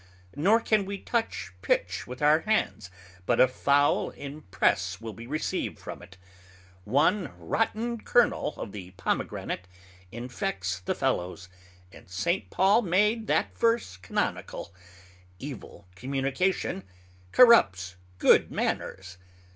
Nor can we touch Pitch with our hands, but a foul impress will be received from it: One rotten kernel of the Pomgranate infects the fellows; and St. Paul made that Verse Canonical, Evil communication corrupts good manners.